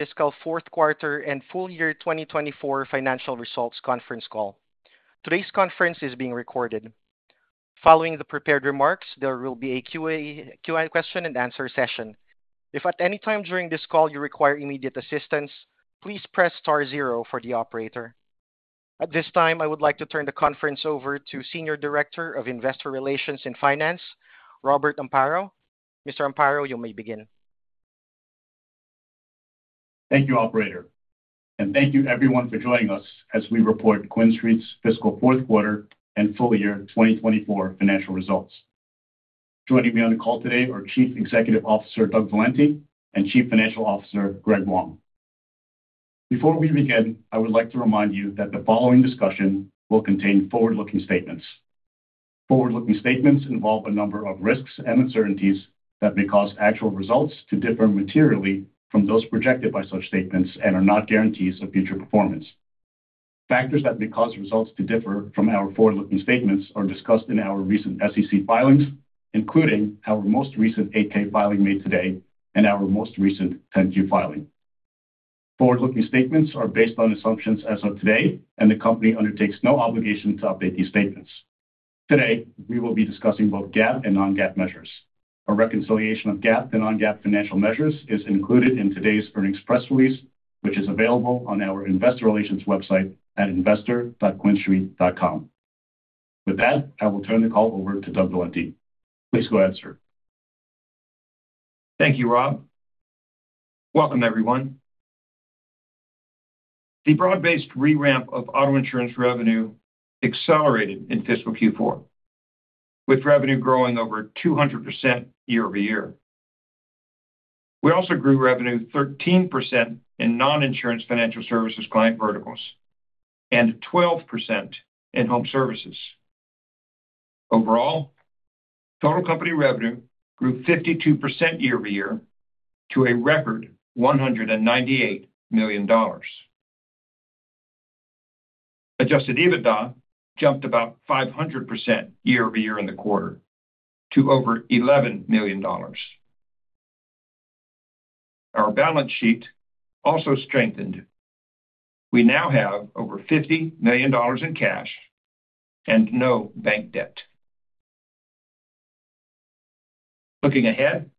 Fiscal fourth quarter and full year 2024 financial results conference call. Today's conference is being recorded. Following the prepared remarks, there will be a Q&A question and answer session. If at any time during this call you require immediate assistance, please press star zero for the operator. At this time, I would like to turn the conference over to Senior Director of Investor Relations and Finance, Robert Amparo. Mr. Amparo, you may begin. Thank you, operator, and thank you everyone for joining us as we report QuinStreet's fiscal fourth quarter and full year 2024 financial results. Joining me on the call today are Chief Executive Officer, Doug Valenti, and Chief Financial Officer, Greg Wong. Before we begin, I would like to remind you that the following discussion will contain forward-looking statements. Forward-looking statements involve a number of risks and uncertainties that may cause actual results to differ materially from those projected by such statements and are not guarantees of future performance. Factors that may cause results to differ from our forward-looking statements are discussed in our recent SEC filings, including our most recent 8-K filing made today and our most recent 10-Q filing. Forward-looking statements are based on assumptions as of today, and the company undertakes no obligation to update these statements. Today, we will be discussing both GAAP and non-GAAP measures. A reconciliation of GAAP and non-GAAP financial measures is included in today's earnings press release, which is available on our investor relations website at investor dot QuinStreet dot com. With that, I will turn the call over to Doug Valenti. Please go ahead, sir. Thank you, Rob. Welcome, everyone. The broad-based re-ramp of auto insurance revenue accelerated in fiscal Q4, with revenue growing over 200% year-over-year. We also grew revenue 13% in non-insurance financial services client verticals and 12% in home services. Overall, total company revenue grew 52% year-over-year to a record $198 million. Adjusted EBITDA jumped about 500% year-over-year in the quarter to over $11 million. Our balance sheet also strengthened. We now have over $50 million in cash and no bank debt. Looking ahead,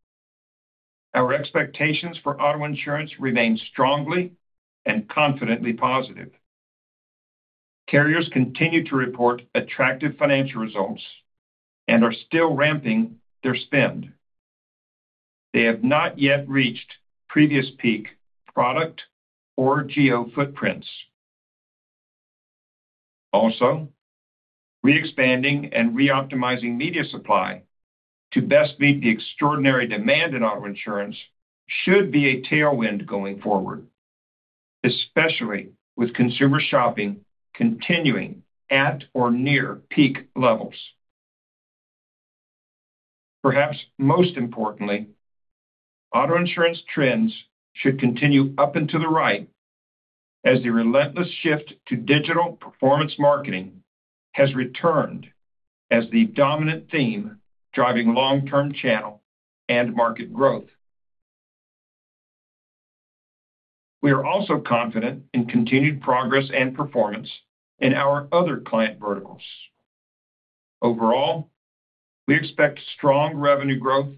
our expectations for auto insurance remain strongly and confidently positive. Carriers continue to report attractive financial results and are still ramping their spend. They have not yet reached previous peak product or geo footprints. Also, re-expanding and reoptimizing media supply to best meet the extraordinary demand in auto insurance should be a tailwind going forward, especially with consumer shopping continuing at or near peak levels. Perhaps most importantly, auto insurance trends should continue up and to the right as the relentless shift to digital performance marketing has returned as the dominant theme, driving long-term channel and market growth. We are also confident in continued progress and performance in our other client verticals. Overall, we expect strong revenue growth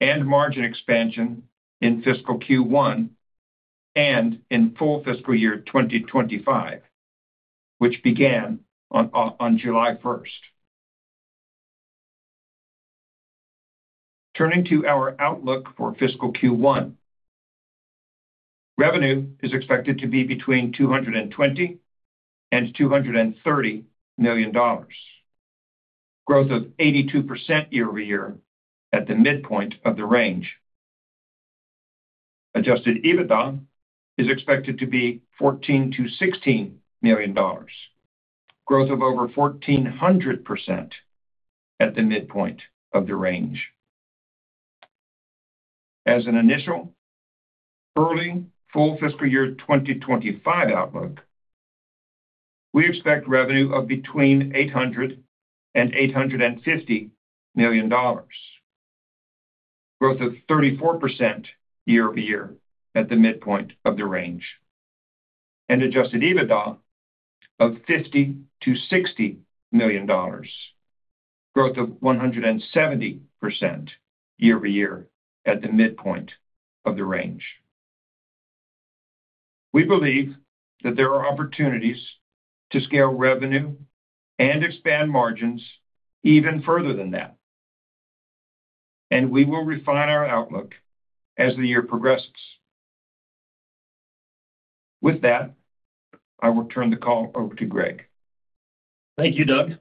and margin expansion in fiscal Q1 and in full fiscal year 2025, which began on July 1. Turning to our outlook for fiscal Q1, revenue is expected to be between $220 million and $230 million. Growth of 82% year-over-year at the midpoint of the range. Adjusted EBITDA is expected to be $14 million-$16 million. Growth of over 1,400% at the midpoint of the range. As an initial early full fiscal year 2025 outlook, we expect revenue of between $800 million and $850 million. Growth of 34% year over year at the midpoint of the range, and adjusted EBITDA of $50 million-$60 million. Growth of 170% year over year at the midpoint of the range. We believe that there are opportunities to scale revenue and expand margins even further than that, and we will refine our outlook as the year progresses. With that, I will turn the call over to Greg. Thank you, Doug.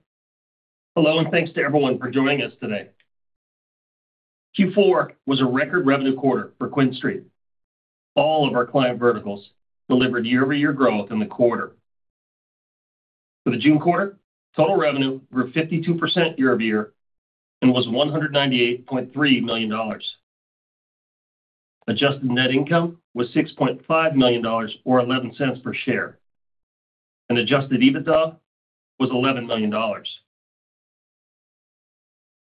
Hello, and thanks to everyone for joining us today. Q4 was a record revenue quarter for QuinStreet. All of our client verticals delivered year-over-year growth in the quarter. For the June quarter, total revenue grew 52% year-over-year and was $198.3 million. Adjusted net income was $6.5 million or $0.11 per share, and Adjusted EBITDA was $11 million.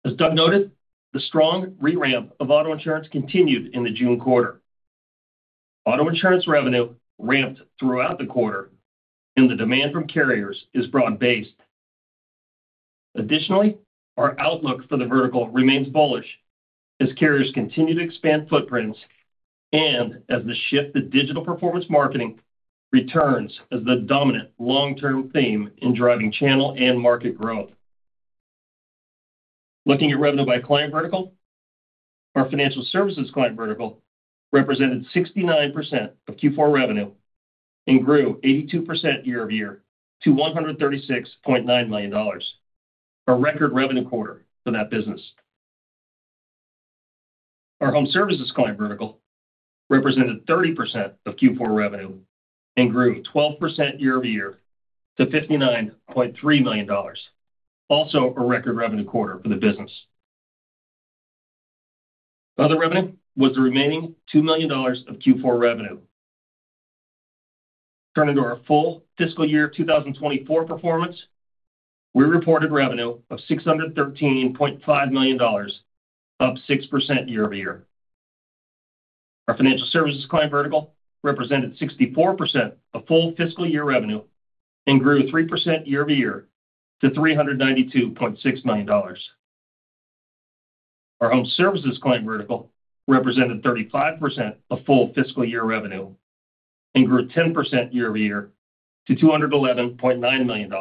As Doug noted, the strong re-ramp of auto insurance continued in the June quarter. Auto insurance revenue ramped throughout the quarter, and the demand from carriers is broad-based. Additionally, our outlook for the vertical remains bullish as carriers continue to expand footprints and as the shift to digital performance marketing returns as the dominant long-term theme in driving channel and market growth. Looking at revenue by client vertical, our financial services client vertical represented 69% of Q4 revenue and grew 82% year-over-year to $136.9 million, a record revenue quarter for that business. Our home services client vertical represented 30% of Q4 revenue and grew 12% year-over-year to $59.3 million, also a record revenue quarter for the business. Other revenue was the remaining $2 million of Q4 revenue. Turning to our full fiscal year, 2024 performance, we reported revenue of $613.5 million, up 6% year-over-year. Our financial services client vertical represented 64% of full fiscal year revenue and grew 3% year-over-year to $392.6 million. Our home services client vertical represented 35% of full fiscal year revenue and grew 10% year-over-year to $211.9 million.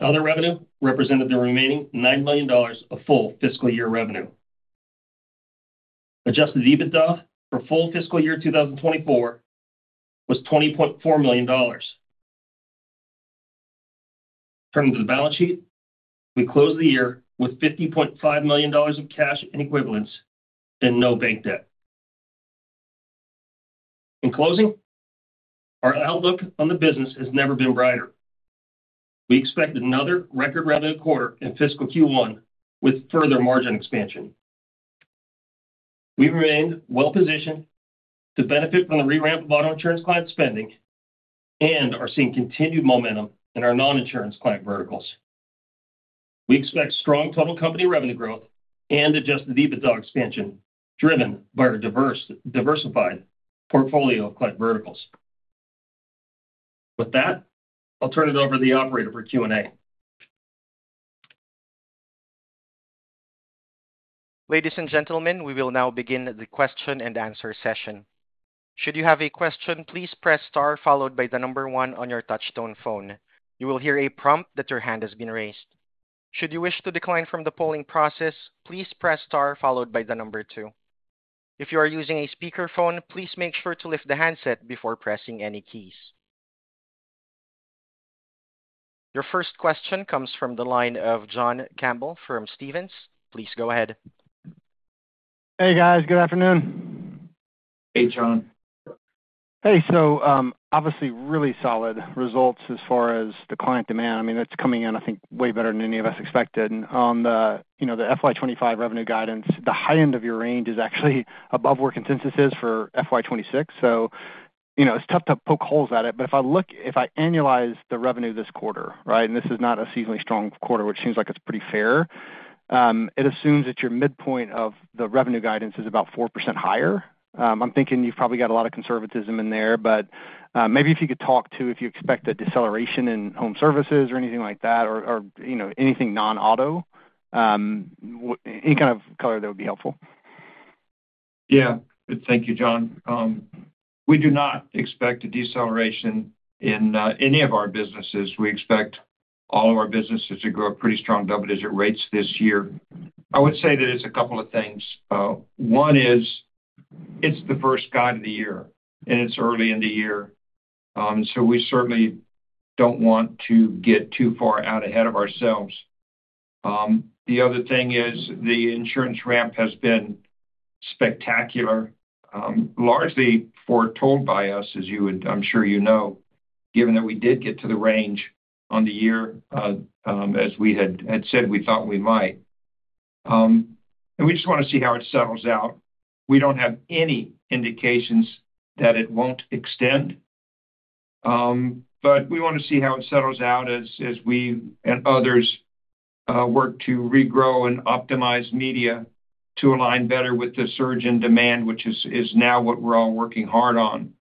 Other revenue represented the remaining $9 million of full fiscal year revenue. Adjusted EBITDA for full fiscal year 2024 was $20.4 million. Turning to the balance sheet, we closed the year with $50.5 million of cash and equivalents and no bank debt. In closing, our outlook on the business has never been brighter. We expect another record revenue quarter in fiscal Q1 with further margin expansion. We remain well positioned to benefit from the re-ramp of auto insurance client spending and are seeing continued momentum in our non-insurance client verticals. We expect strong total company revenue growth and adjusted EBITDA expansion, driven by our diversified portfolio of client verticals. With that, I'll turn it over to the operator for Q&A. Ladies and gentlemen, we will now begin the question-and-answer session. Should you have a question, please press star followed by the number one on your touchtone phone. You will hear a prompt that your hand has been raised. Should you wish to decline from the polling process, please press star followed by the number two. If you are using a speakerphone, please make sure to lift the handset before pressing any keys. Your first question comes from the line of John Campbell from Stephens. Please go ahead. Hey, guys. Good afternoon. Hey, John. Hey, so, obviously really solid results as far as the client demand. I mean, that's coming in, I think, way better than any of us expected. On the, you know, the FY 25 revenue guidance, the high end of your range is actually above where consensus is for FY 26. So, you know, it's tough to poke holes at it. But if I look if I annualize the revenue this quarter, right, and this is not a seasonally strong quarter, which seems like it's pretty fair, it assumes that your midpoint of the revenue guidance is about 4% higher. I'm thinking you've probably got a lot of conservatism in there, but, maybe if you could talk to if you expect a deceleration in home services or anything like that, or, or, you know, anything non-auto, any kind of color, that would be helpful. Yeah. Thank you, John. We do not expect a deceleration in any of our businesses. We expect all of our businesses to grow at pretty strong double-digit rates this year. I would say that it's a couple of things. One is, it's the first guide of the year, and it's early in the year. So we certainly don't want to get too far out ahead of ourselves. The other thing is, the insurance ramp has been spectacular, largely foretold by us, as you would, I'm sure you know, given that we did get to the range on the year, as we had said, we thought we might. And we just want to see how it settles out. We don't have any indications that it won't extend, but we want to see how it settles out as we and others work to regrow and optimize media to align better with the surge in demand, which is now what we're all working hard on,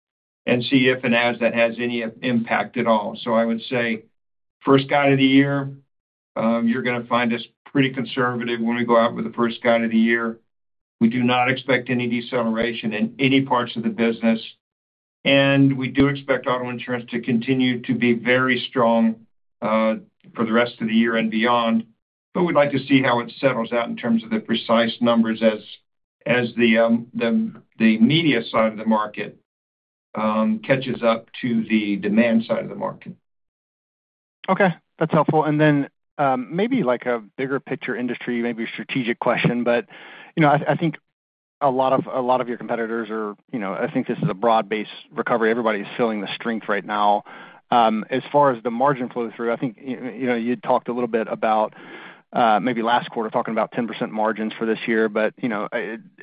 and see if and as that has any impact at all. So I would say, first guide of the year, you're going to find us pretty conservative when we go out with the first guide of the year. We do not expect any deceleration in any parts of the business, and we do expect auto insurance to continue to be very strong for the rest of the year and beyond. But we'd like to see how it settles out in terms of the precise numbers as the media side of the market catches up to the demand side of the market. Okay, that's helpful. And then, maybe like a bigger picture industry, maybe a strategic question, but you know, I, I think a lot of, a lot of your competitors are... You know, I think this is a broad-based recovery. Everybody's feeling the strength right now. As far as the margin flow through, I think, you know, you talked a little bit about, maybe last quarter, talking about 10% margins for this year. But, you know,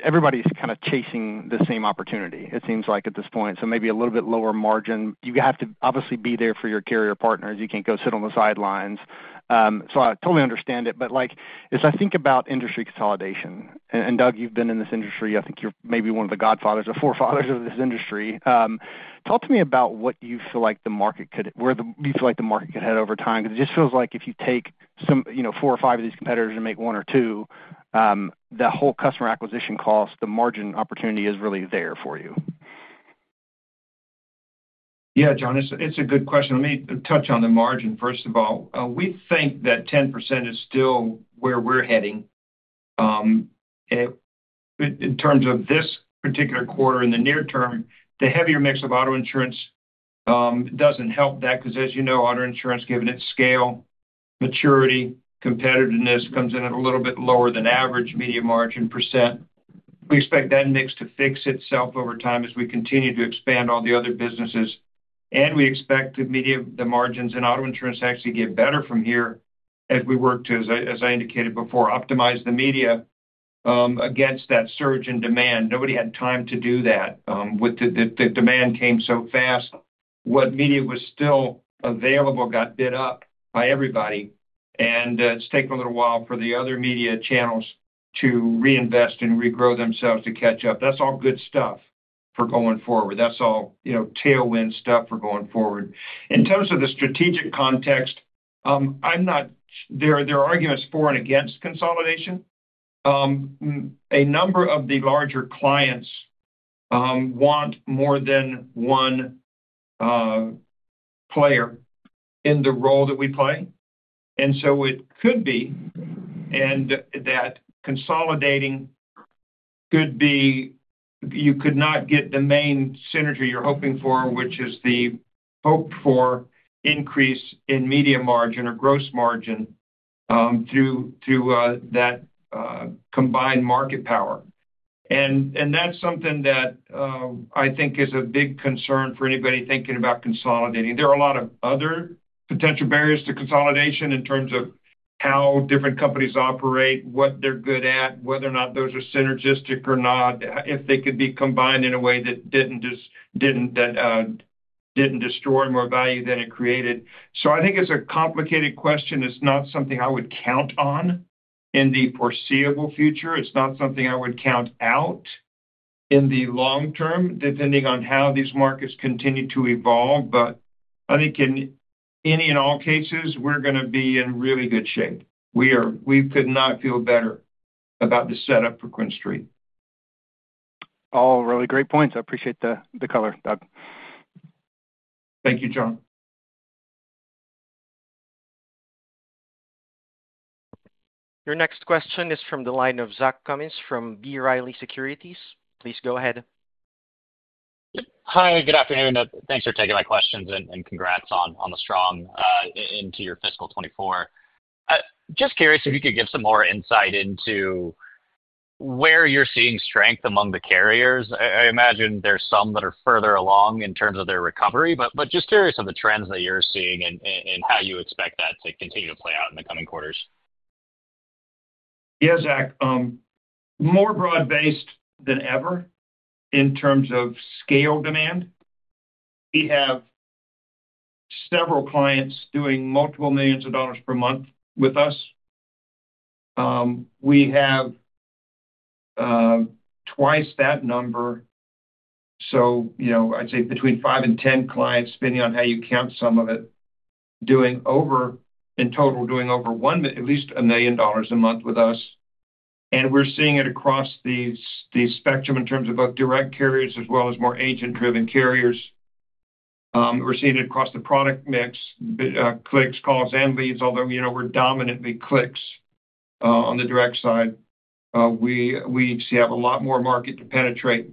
everybody's kind of chasing the same opportunity, it seems like, at this point. So maybe a little bit lower margin. You have to obviously be there for your carrier partners. You can't go sit on the sidelines.... So I totally understand it, but like, as I think about industry consolidation, and Doug, you've been in this industry, I think you're maybe one of the godfathers or forefathers of this industry. Talk to me about what you feel like the market could, where you feel like the market could head over time. Because it just feels like if you take some, you know, four or five of these competitors and make one or two, the whole customer acquisition cost, the margin opportunity is really there for you. Yeah, John, it's a good question. Let me touch on the margin. First of all, we think that 10% is still where we're heading. In terms of this particular quarter, in the near term, the heavier mix of auto insurance doesn't help that. 'Cause as you know, auto insurance, given its scale, maturity, competitiveness, comes in at a little bit lower than average media margin percent. We expect that mix to fix itself over time as we continue to expand all the other businesses, and we expect the media, the margins and auto insurance to actually get better from here as we work to, as I indicated before, optimize the media against that surge in demand. Nobody had time to do that, with the demand came so fast. What media was still available got bid up by everybody, and it's taken a little while for the other media channels to reinvest and regrow themselves to catch up. That's all good stuff for going forward. That's all, you know, tailwind stuff for going forward. In terms of the strategic context, I'm not there. There are arguments for and against consolidation. A number of the larger clients want more than one player in the role that we play, and so it could be, and that consolidating could be. You could not get the main synergy you're hoping for, which is the hoped-for increase in media margin or gross margin, through that combined market power. And that's something that I think is a big concern for anybody thinking about consolidating. There are a lot of other potential barriers to consolidation in terms of how different companies operate, what they're good at, whether or not those are synergistic or not, if they could be combined in a way that didn't destroy more value than it created. So I think it's a complicated question. It's not something I would count on in the foreseeable future. It's not something I would count out in the long term, depending on how these markets continue to evolve. But I think in any and all cases, we're going to be in really good shape. We are. We could not feel better about the setup for QuinStreet. All really great points. I appreciate the color, Doug. Thank you, John. Your next question is from the line of Zach Cummins from B. Riley Securities. Please go ahead. Hi, good afternoon. Thanks for taking my questions, and congrats on the strong into your fiscal 2024. Just curious if you could give some more insight into where you're seeing strength among the carriers. I imagine there's some that are further along in terms of their recovery, but just curious on the trends that you're seeing and how you expect that to continue to play out in the coming quarters. Yeah, Zach, more broad-based than ever in terms of scale demand. We have several clients doing $ multiple millions per month with us. We have twice that number, you know, I'd say between 5 and 10 clients, depending on how you count some of it, doing over, in total, doing over $1, at least $1 million a month with us. And we're seeing it across the spectrum in terms of both direct carriers as well as more agent-driven carriers. We're seeing it across the product mix, clicks, calls, and leads, although, you know, we're dominantly clicks on the direct side. We still have a lot more market to penetrate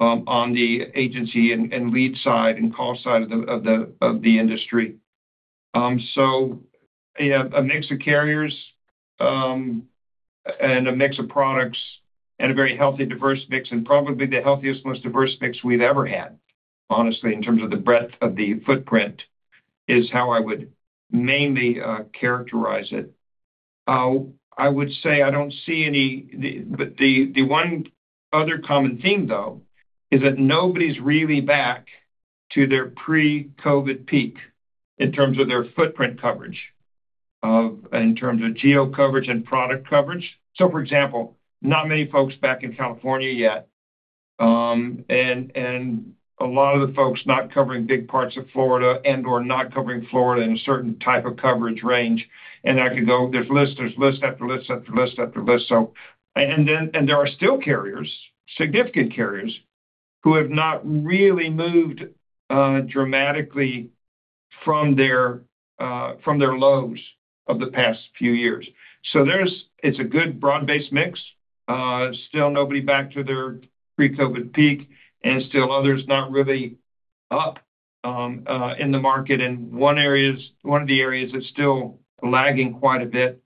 on the agency and lead side and call side of the industry. So yeah, a mix of carriers, and a mix of products, and a very healthy, diverse mix, and probably the healthiest, most diverse mix we've ever had, honestly, in terms of the breadth of the footprint, is how I would mainly characterize it. I would say I don't see any... The one other common theme, though, is that nobody's really back to their pre-COVID peak in terms of their footprint coverage, in terms of geo coverage and product coverage. So, for example, not many folks back in California yet, and a lot of the folks not covering big parts of Florida and/or not covering Florida in a certain type of coverage range. And I could go, there's lists, there's list after list after list after list. So, there are still carriers, significant carriers, who have not really moved dramatically from their lows of the past few years. So there's, it's a good broad-based mix. Still nobody back to their pre-COVID peak, and still others not really up in the market. And one of the areas that's still lagging quite a bit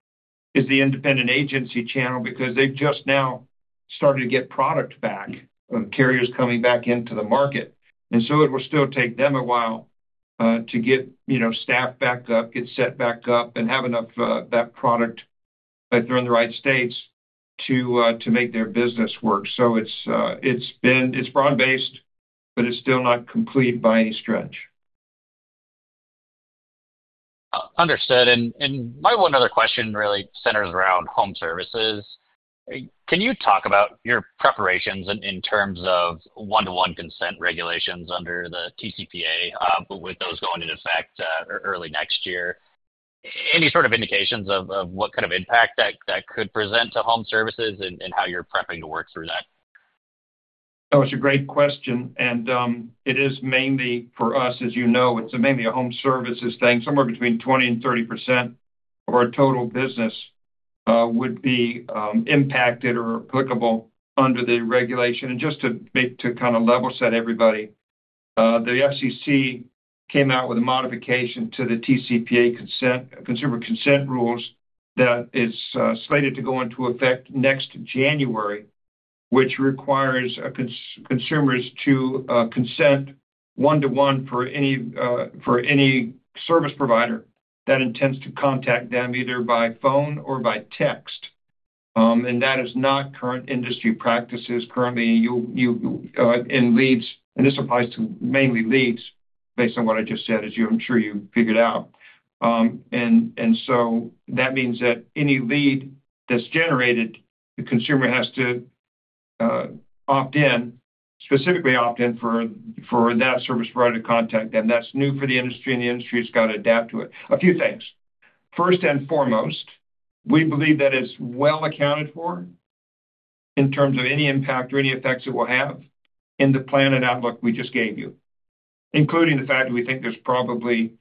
is the independent agency channel, because they've just now started to get product back, carriers coming back into the market. And so it will still take them a while to get, you know, get set back up, and have enough that product, but they're in the right states to make their business work. So it's, it's been broad-based, but it's still not complete by any stretch. Understood. My one other question really centers around home services. Can you talk about your preparations in terms of one-to-one consent regulations under the TCPA, with those going into effect early next year? Any sort of indications of what kind of impact that could present to home services and how you're prepping to work through that? Oh, it's a great question, and it is mainly for us, as you know, it's mainly a home services thing. Somewhere between 20% and 30% of our total business would be impacted or applicable under the regulation. And just to kind of level set everybody, the FCC came out with a modification to the TCPA consent, consumer consent rules that is slated to go into effect next January, which requires consumers to consent one-to-one for any service provider that intends to contact them, either by phone or by text. And that is not current industry practices. Currently, you in leads, and this applies to mainly leads, based on what I just said, as you, I'm sure, you've figured out. So that means that any lead that's generated, the consumer has to opt in, specifically opt in for that service provider to contact them. That's new for the industry, and the industry has got to adapt to it. A few things. First and foremost, we believe that it's well accounted for in terms of any impact or any effects it will have in the plan and outlook we just gave you, including the fact we think there's probably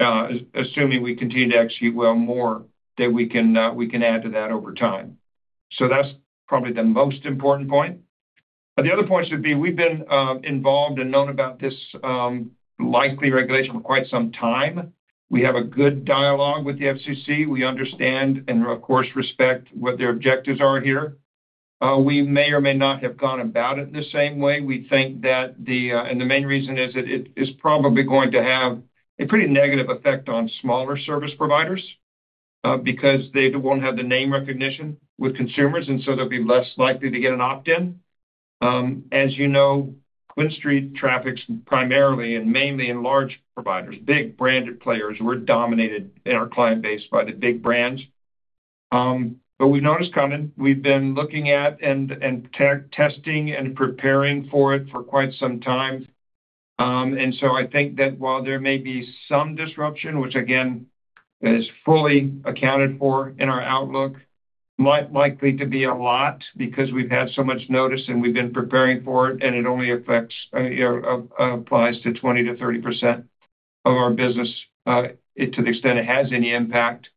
assuming we continue to execute well more, that we can add to that over time. So that's probably the most important point. But the other point should be, we've been involved and known about this likely regulation for quite some time. We have a good dialogue with the FCC. We understand and of course respect what their objectives are here. We may or may not have gone about it the same way. We think that the main reason is that it, it's probably going to have a pretty negative effect on smaller service providers, because they won't have the name recognition with consumers, and so they'll be less likely to get an opt-in. As you know, QuinStreet traffics primarily and mainly in large providers, big branded players, we're dominated in our client base by the big brands. But we've noticed coming. We've been looking at and testing and preparing for it for quite some time. And so I think that while there may be some disruption, which again, is fully accounted for in our outlook, might likely to be a lot because we've had so much notice and we've been preparing for it, and it only affects, applies to 20%-30% of our business, to the extent it has any impact.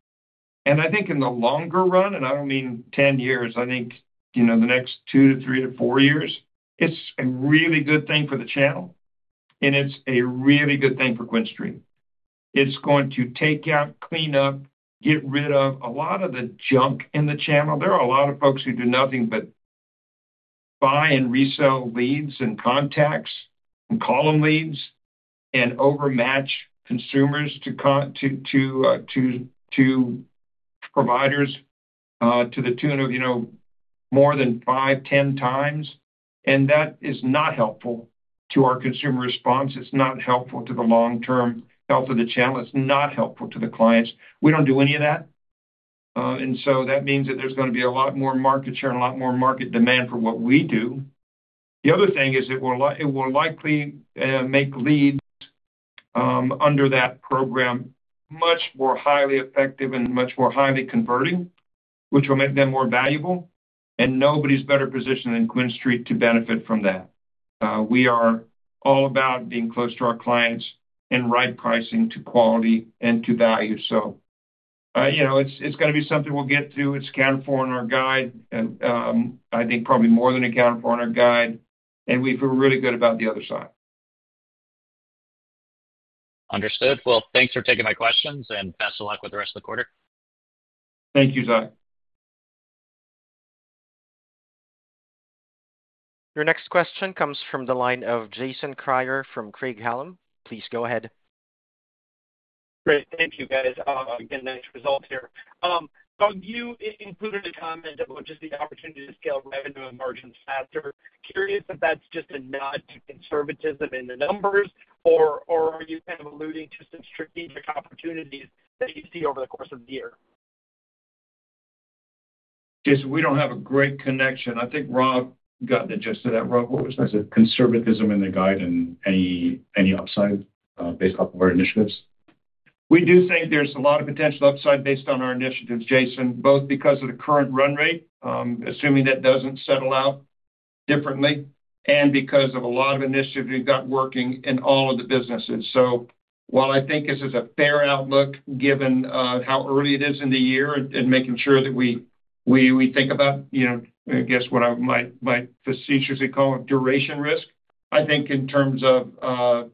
And I think in the longer run, and I don't mean 10 years, I think, you know, the next two to three to four years, it's a really good thing for the channel, and it's a really good thing for QuinStreet. It's going to take out, clean up, get rid of a lot of the junk in the channel. There are a lot of folks who do nothing but buy and resell leads and contacts, and call them leads, and overmatch consumers to providers, to the tune of, you know, more than 5-10 times. And that is not helpful to our consumer response. It's not helpful to the long-term health of the channel. It's not helpful to the clients. We don't do any of that, and so that means that there's gonna be a lot more market share and a lot more market demand for what we do. The other thing is it will likely make leads under that program much more highly effective and much more highly converting, which will make them more valuable, and nobody's better positioned than QuinStreet to benefit from that. We are all about being close to our clients and right pricing to quality and to value. So, you know, it's, it's gonna be something we'll get to. It's accounted for in our guide, and I think probably more than accounted for in our guide, and we feel really good about the other side. Understood. Well, thanks for taking my questions, and best of luck with the rest of the quarter. Thank you, Zach. Your next question comes from the line of Jason Kreyer from Craig-Hallum. Please go ahead. Great. Thank you, guys. Again, nice results here. You included a comment about just the opportunity to scale revenue and margins faster. Curious if that's just a nod to conservatism in the numbers, or are you kind of alluding to some strategic opportunities that you see over the course of the year? Jason, we don't have a great connection. I think Rob got the gist of that. Rob, what was that? Conservatism in the guide and any, any upside, based off of our initiatives. We do think there's a lot of potential upside based on our initiatives, Jason, both because of the current run rate, assuming that doesn't settle out differently, and because of a lot of initiatives we've got working in all of the businesses. So while I think this is a fair outlook, given how early it is in the year and making sure that we think about, you know, I guess what I might facetiously call it, duration risk, I think in terms of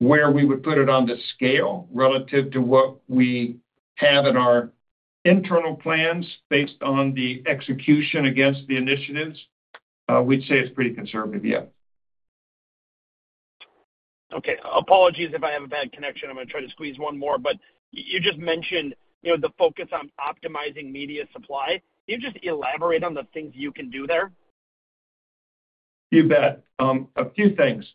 where we would put it on the scale relative to what we have in our internal plans, based on the execution against the initiatives, we'd say it's pretty conservative, yeah.... Okay, apologies if I have a bad connection. I'm gonna try to squeeze one more, but you just mentioned, you know, the focus on optimizing media supply. Can you just elaborate on the things you can do there? You bet. A few things.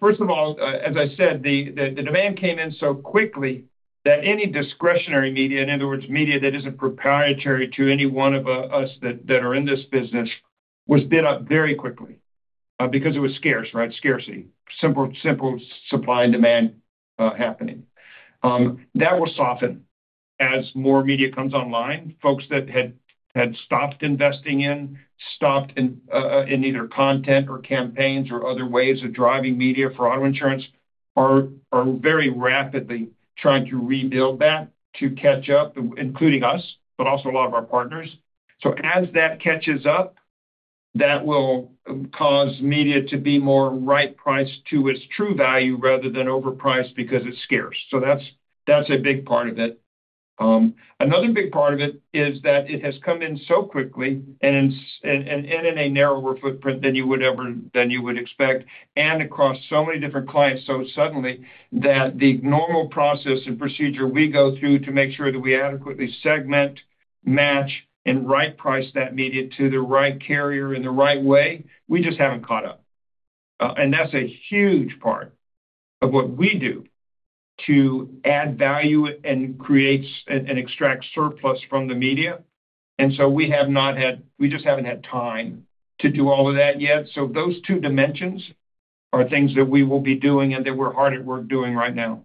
First of all, as I said, the demand came in so quickly that any discretionary media, in other words, media that isn't proprietary to any one of us that are in this business, was bid up very quickly, because it was scarce, right? Scarcity. Simple supply and demand happening. That will soften as more media comes online. Folks that had stopped investing in either content or campaigns or other ways of driving media for auto insurance are very rapidly trying to rebuild that to catch up, including us, but also a lot of our partners. So as that catches up, that will cause media to be more right-priced to its true value rather than overpriced because it's scarce. So that's a big part of it. Another big part of it is that it has come in so quickly and in a narrower footprint than you would expect, and across so many different clients so suddenly, that the normal process and procedure we go through to make sure that we adequately segment, match, and right price that media to the right carrier in the right way, we just haven't caught up. And that's a huge part of what we do to add value and create and extract surplus from the media. And so we just haven't had time to do all of that yet. So those two dimensions are things that we will be doing and that we're hard at work doing right now.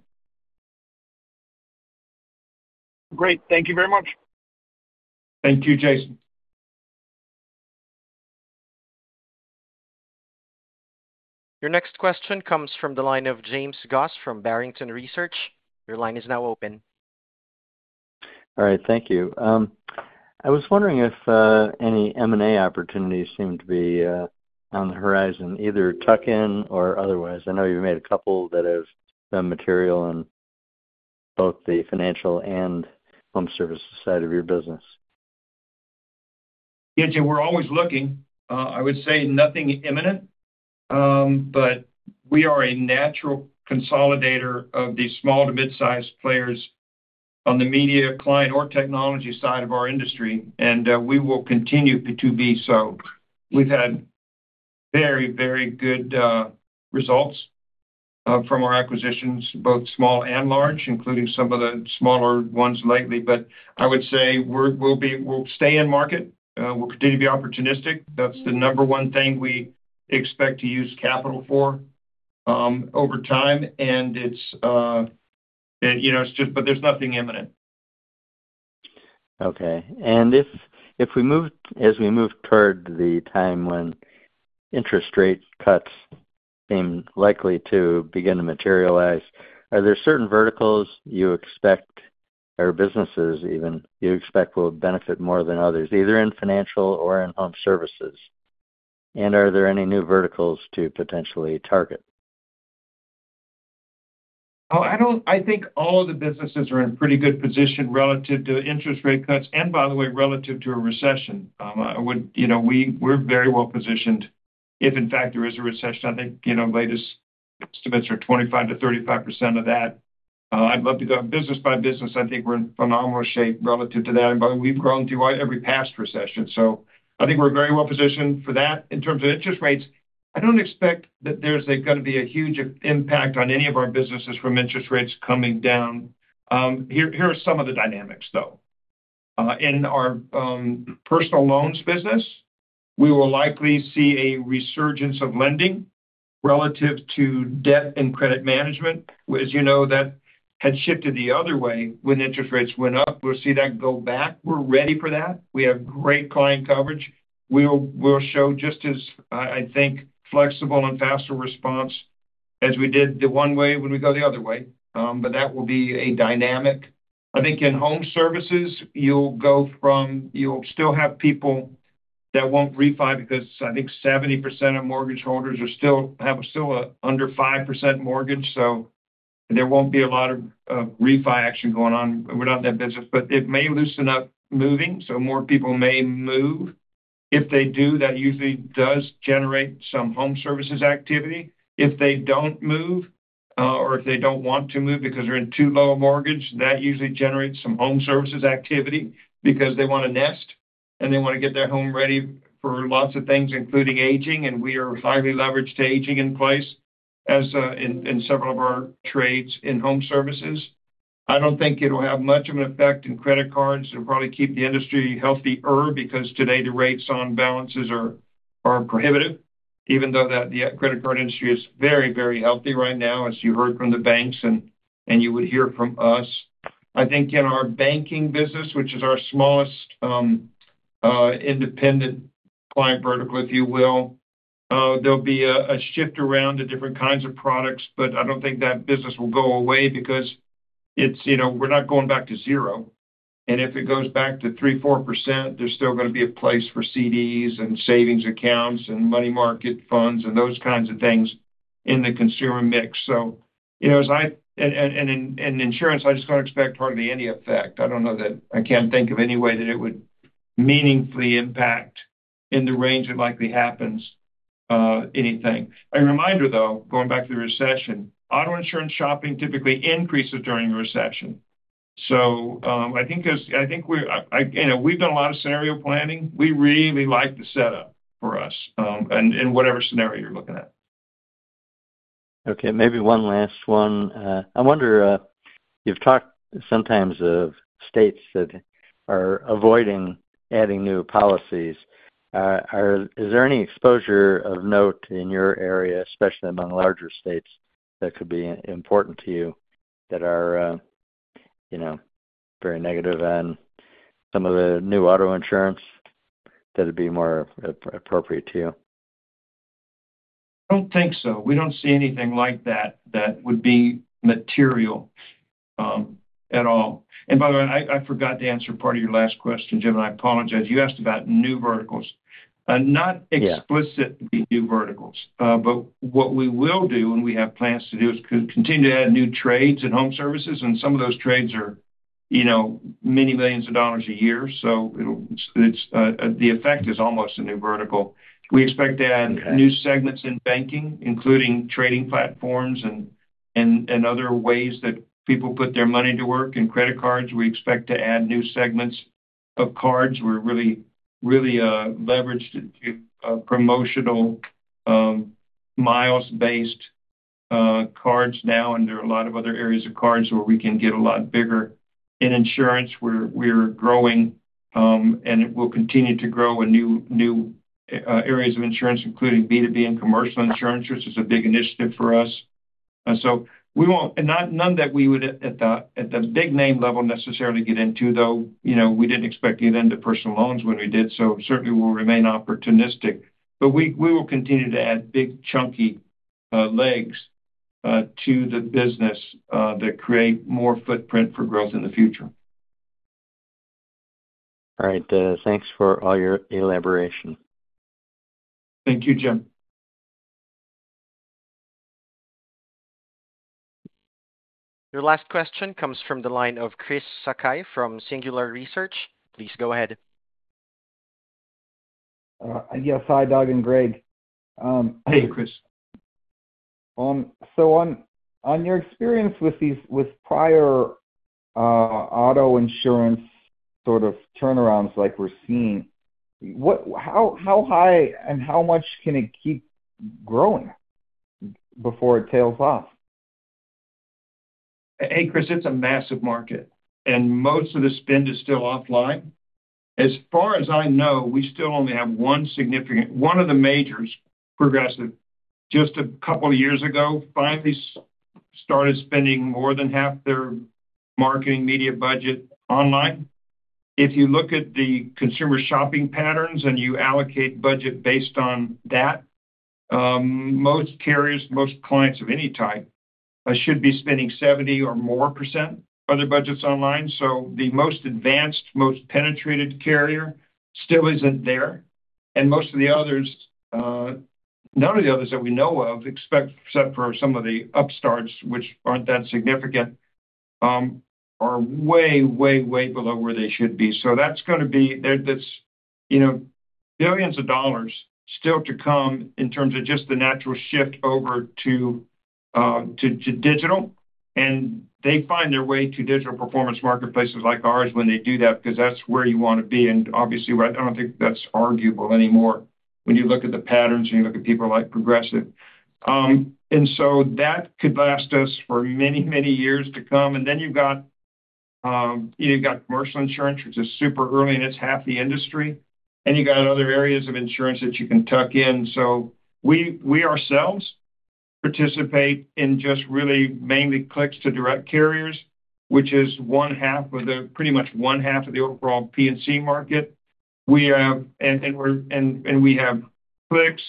Great. Thank you very much. Thank you, Jason. Your next question comes from the line of James Goss from Barrington Research. Your line is now open. All right, thank you. I was wondering if any M&A opportunities seem to be on the horizon, either tuck-in or otherwise? I know you've made a couple that have been material in both the financial and home services side of your business. Yeah, Jim, we're always looking. I would say nothing imminent, but we are a natural consolidator of the small to mid-sized players on the media, client, or technology side of our industry, and we will continue to be so. We've had very, very good results from our acquisitions, both small and large, including some of the smaller ones lately. But I would say we're-- we'll be, we'll stay in market, we'll continue to be opportunistic. That's the number one thing we expect to use capital for, over time, and it's, and, you know, it's just-- but there's nothing imminent. Okay. And if we move, as we move toward the time when interest rate cuts seem likely to begin to materialize, are there certain verticals you expect, or businesses even, you expect will benefit more than others, either in financial or in home services? And are there any new verticals to potentially target? I think all the businesses are in pretty good position relative to interest rate cuts, and by the way, relative to a recession. I would, you know, we're very well positioned, if in fact, there is a recession. I think, you know, latest estimates are 25%-35% of that. I'd love to go business by business. I think we're in phenomenal shape relative to that, and but we've grown through every past recession, so I think we're very well positioned for that. In terms of interest rates, I don't expect that there's gonna be a huge impact on any of our businesses from interest rates coming down. Here are some of the dynamics, though. In our personal loans business, we will likely see a resurgence of lending relative to debt and credit management. As you know, that had shifted the other way when interest rates went up. We'll see that go back. We're ready for that. We have great client coverage. We'll show just as, I think, flexible and faster response as we did the one way when we go the other way. But that will be a dynamic. I think in home services, you'll go from... You'll still have people that won't refi because I think 70% of mortgage holders are still a under 5% mortgage, so there won't be a lot of refi action going on. We're not in that business, but it may loosen up moving, so more people may move. If they do, that usually does generate some home services activity. If they don't move, or if they don't want to move because they're in too low a mortgage, that usually generates some home services activity because they want to nest, and they want to get their home ready for lots of things, including aging, and we are highly leveraged to aging in place as, in, in several of our trades in home services. I don't think it'll have much of an effect in credit cards. It'll probably keep the industry healthier because today the rates on balances are, are prohibitive, even though that the credit card industry is very, very healthy right now, as you heard from the banks and, and you would hear from us. I think in our banking business, which is our smallest, independent client vertical, if you will, there'll be a shift around the different kinds of products, but I don't think that business will go away because it's, you know, we're not going back to zero. And if it goes back to 3%-4%, there's still gonna be a place for CDs and savings accounts and money market funds and those kinds of things in the consumer mix. So, you know, in insurance, I just don't expect hardly any effect. I don't know that I can't think of any way that it would meaningfully impact in the range it likely happens, anything. A reminder, though, going back to the recession, auto insurance shopping typically increases during a recession. So, I think we've done a lot of scenario planning. You know, we really like the setup for us, and whatever scenario you're looking at. Okay, maybe one last one. I wonder, you've talked sometimes of states that are avoiding adding new policies. Is there any exposure of note in your area, especially among larger states, that could be important to you, that are, you know, very negative on some of the new auto insurance that would be more appropriate to you? I don't think so. We don't see anything like that that would be material at all. And by the way, I forgot to answer part of your last question, Jim. I apologize. You asked about new verticals. Not- Yeah. explicit new verticals. But what we will do, and we have plans to do, is continue to add new trades and home services, and some of those trades are, you know, many $ millions a year, so it'll, it's, the effect is almost a new vertical. Okay. We expect to add new segments in banking, including trading platforms and other ways that people put their money to work. In credit cards, we expect to add new segments of cards. We're really, really leveraged to promotional miles-based cards now, and there are a lot of other areas of cards where we can get a lot bigger. In insurance, we're growing and it will continue to grow in new areas of insurance, including B2B and commercial insurance, which is a big initiative for us. And so we won't... And not, none that we would at the big name level necessarily get into, though. You know, we didn't expect to get into personal loans when we did, so certainly we'll remain opportunistic. We will continue to add big, chunky legs to the business that create more footprint for growth in the future. All right, thanks for all your elaboration. Thank you, Jim. Your last question comes from the line of Chris Sakai from Singular Research. Please go ahead. Yes, hi, Doug and Greg. Hey, Chris. So, on your experience with these prior auto insurance sort of turnarounds like we're seeing, how high and how much can it keep growing before it tails off? Hey, Chris, it's a massive market, and most of the spend is still offline. As far as I know, we still only have one significant, one of the majors, Progressive, just a couple of years ago, finally started spending more than half their marketing media budget online. If you look at the consumer shopping patterns and you allocate budget based on that, most carriers, most clients of any type, should be spending 70% or more of their budgets online. So the most advanced, most penetrated carrier still isn't there, and most of the others, none of the others that we know of, except for some of the upstarts, which aren't that significant, are way, way, way below where they should be. So that's gonna be... There's this, you know, billions of dollars still to come in terms of just the natural shift over to digital, and they find their way to digital performance marketplaces like ours when they do that, 'cause that's where you want to be. And obviously, I don't think that's arguable anymore when you look at the patterns and you look at people like Progressive. And so that could last us for many, many years to come. And then you've got, you've got commercial insurance, which is super early, and it's half the industry, and you got other areas of insurance that you can tuck in. So we ourselves participate in just really mainly clicks to direct carriers, which is one half of the, pretty much one half of the overall PNC market. We have clicks,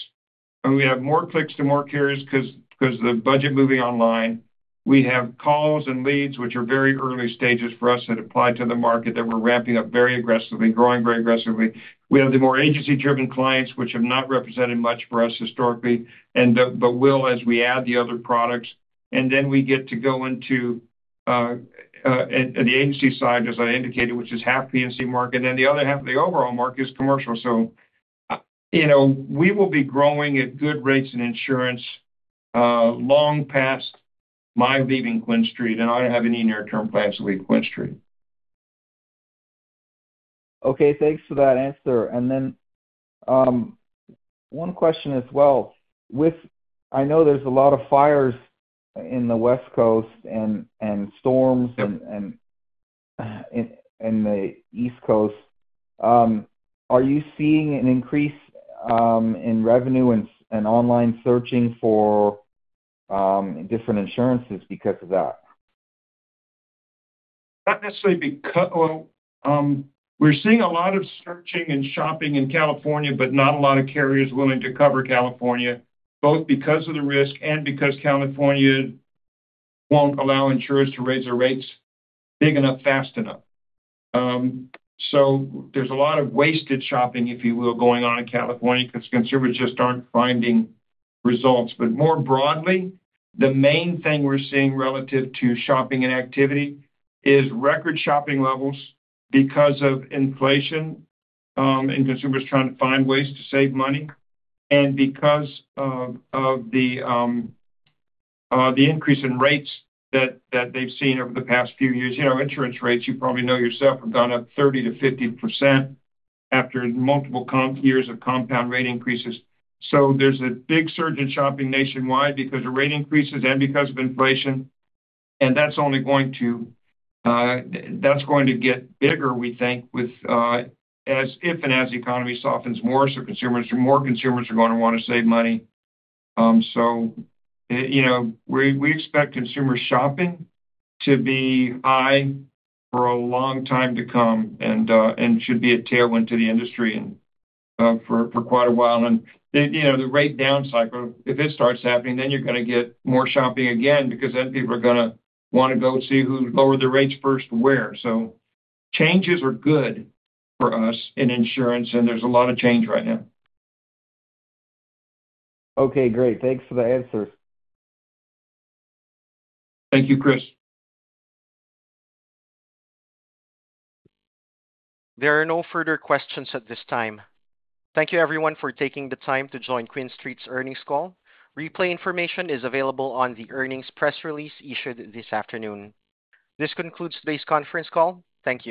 and we have more clicks to more carriers, 'cause of the budget moving online. We have calls and leads, which are very early stages for us that apply to the market, that we're ramping up very aggressively, growing very aggressively. We have the more agency-driven clients, which have not represented much for us historically, and but will as we add the other products. And then we get to go into the agency side, as I indicated, which is half PNC market, and the other half of the overall market is commercial. So, you know, we will be growing at good rates in insurance, long past my leaving QuinStreet, and I don't have any near-term plans to leave QuinStreet. Okay, thanks for that answer. And then, one question as well. I know there's a lot of fires in the West Coast and storms in the East Coast. Are you seeing an increase in revenue and online searching for different insurances because of that? Not necessarily because we're seeing a lot of searching and shopping in California, but not a lot of carriers willing to cover California, both because of the risk and because California won't allow insurers to raise their rates big enough, fast enough. So there's a lot of wasted shopping, if you will, going on in California, because consumers just aren't finding results. But more broadly, the main thing we're seeing relative to shopping and activity is record shopping levels because of inflation, and consumers trying to find ways to save money, and because of the increase in rates that they've seen over the past few years. You know, insurance rates, you probably know yourself, have gone up 30%-50% after multiple years of compound rate increases. So there's a big surge in shopping nationwide because of rate increases and because of inflation, and that's only going to, that's going to get bigger, we think, with, as if and as the economy softens more, so consumers, more consumers are going to want to save money. So, you know, we, we expect consumer shopping to be high for a long time to come and, and should be a tailwind to the industry and, for, for quite a while. You know, the rate down cycle, if it starts happening, then you're gonna get more shopping again because then people are gonna wanna go see who lowered their rates first and where. So changes are good for us in insurance, and there's a lot of change right now. Okay, great. Thanks for the answer. Thank you, Chris. There are no further questions at this time. Thank you, everyone, for taking the time to join QuinStreet's earnings call. Replay information is available on the earnings press release issued this afternoon. This concludes today's conference call. Thank you.